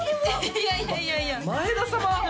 いやいやいやいや前田様？